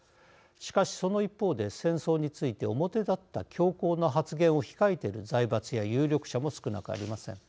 しかし、その一方で戦争について表立った強硬な発言を控えている財閥や有力者も少なくありません。